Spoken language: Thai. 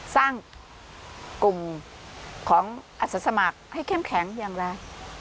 สร้างกลุ่มของอาสาสมัครให้เข้มแข็งอย่างไร